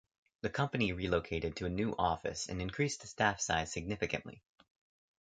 The company relocated to a new office and increased the staff size significantly.